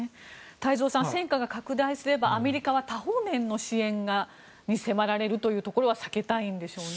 太蔵さん、戦火が拡大すればアメリカは多方面の支援に迫られるというところは避けたいんでしょうね。